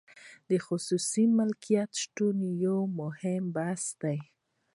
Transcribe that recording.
د خصوصي مالکیت شتون یو مهم بحث دی.